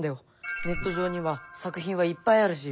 ネット上には作品はいっぱいあるし。